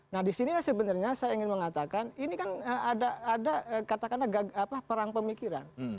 nah disinilah sebenarnya saya ingin mengatakan ini kan ada katakanlah perang pemikiran